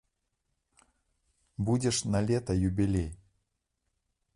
Будзе ж налета юбілей!